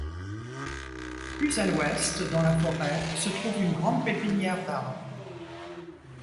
Plus à l'ouest, dans la forêt, se trouve une grande pépinière d'arbres.